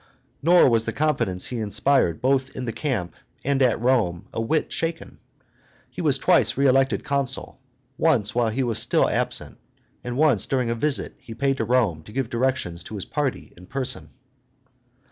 Nor was the confidence he inspired both in the camp and at Rome a whit shaken: he was twice re elected consul, once while he was still absent, and once during a visit he paid to Rome to give directions to his party in person.